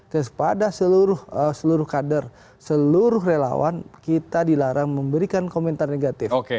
kepada seluruh kader seluruh relawan kita dilarang memberikan komentar negatif